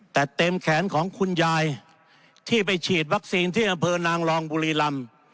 แต่เต็มแขนของคุณยายที่ไปฉีดวัคซีนที่อำเภอนางรองบุรีรำ